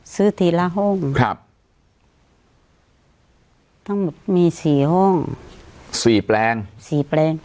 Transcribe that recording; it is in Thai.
ทีละห้องครับทั้งหมดมีสี่ห้องสี่แปลงสี่แปลง